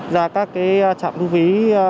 ra các trạm thu phí